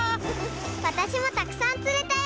わたしもたくさんつれたよ！